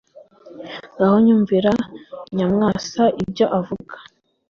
Ngaho nyumvira Nyamwasa ibyo avuga